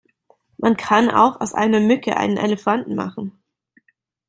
Man kann auch aus einer Mücke einen Elefanten machen!